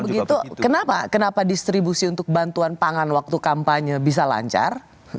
begitu kenapa kenapa distribusi untuk bantuan pangan waktu kampanye bisa lancar